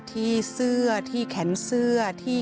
คุณผู้ชมค่ะคุณผู้ชมค่ะ